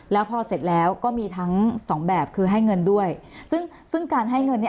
แล้วพอเสร็จแล้วก็มีทั้งสองแบบคือให้เงินด้วยซึ่งซึ่งการให้เงินเนี้ย